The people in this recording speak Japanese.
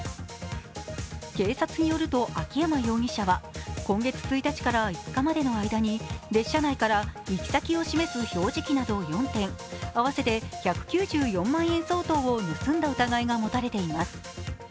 警察によると秋山容疑者は、今月１日から５日までの間に列車内から行き先を示す表示器など４点合わせて１９４万円相当を盗んだ疑いが持たれています。